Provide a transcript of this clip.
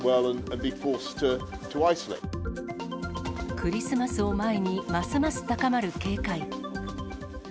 クリスマスを前に、ますます高まる警戒。